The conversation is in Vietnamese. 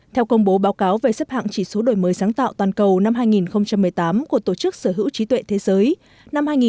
theo công bố báo cáo về xếp hạng chỉ số đổi mới sáng tạo toàn cầu năm hai nghìn một mươi tám của tổ chức sở hữu trí tuệ thế giới